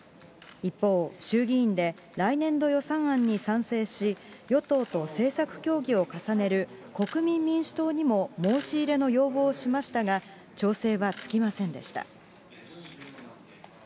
一方、衆議院で来年度予算案に賛成し、与党と政策協議を重ねる国民民主党にも申し入れの要望をしましたが、調整はつきませんでした。